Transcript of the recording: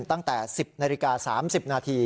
ตั้งแต่๑๐นาฬิกา๓๐นาที